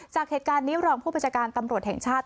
จากเหตุการณ์นี้รองผู้บัญชาการตำรวจแห่งชาติ